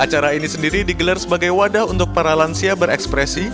acara ini sendiri digelar sebagai wadah untuk para lansia berekspresi